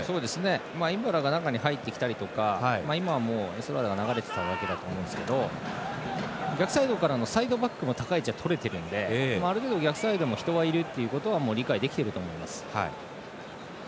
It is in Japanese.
イバラが中に入ってきたり今のはエストラーダが流れていたと思いますけど逆サイドからのサイドバックも高い位置がとれているのである程度、逆サイドも人はいるということは理解できていると思います。